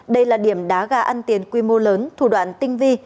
đây là điểm đá gà ăn tiền quy mô lớn thủ đoạn tinh vi